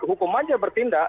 hukum saja bertindak